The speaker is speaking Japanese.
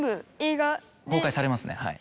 公開されますねはい。